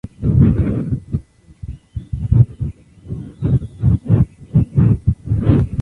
Dicha playa es característica por ser "popular" para el surf y el bodyboard.